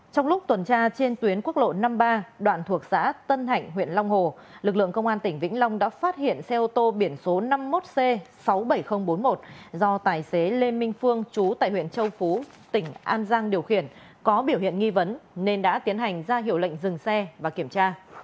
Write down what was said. trong lúc tuần tra trên tuyến quốc lộ năm mươi ba đoạn thuộc xã tân hạnh huyện long hồ lực lượng công an tỉnh vĩnh long đã phát hiện xe ô tô biển số năm mươi một c sáu mươi bảy nghìn bốn mươi một do tài xế lê minh phương chú tại huyện châu phú tỉnh an giang điều khiển có biểu hiện nghi vấn nên đã tiến hành ra hiệu lệnh dừng xe và kiểm tra